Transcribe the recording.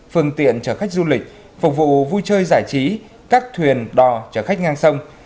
phương tiện trở khách du lịch phục vụ vui chơi giải trí các thuyền đò trở khách ngang sông